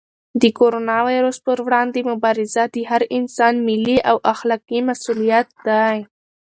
د کرونا وېروس پر وړاندې مبارزه د هر انسان ملي او اخلاقي مسؤلیت دی.